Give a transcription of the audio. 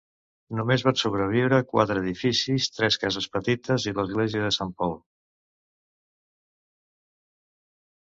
Només van sobreviure quatre edificis: tres cases petites i l'església de Saint Paul.